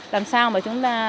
làm sao mà chúng ta